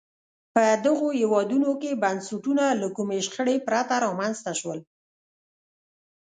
په دغو هېوادونو کې بنسټونه له کومې شخړې پرته رامنځته شول.